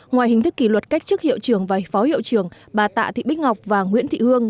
ngoài hình thức kỷ luật cách chức hiệu trưởng và phó hiệu trưởng bà tạ thị bích ngọc và nguyễn thị hương